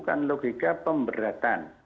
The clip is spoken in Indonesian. kan logika pemberatan